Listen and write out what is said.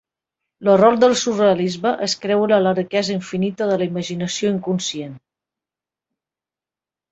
L'error del surrealisme és creure en la riquesa infinita de la imaginació inconscient.